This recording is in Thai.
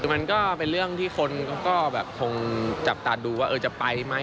มันก็เป็นเรื่องที่คนก็คงจับตาดูว่าจะไปไหม